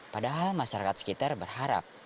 padahal masyarakat sekitar berharap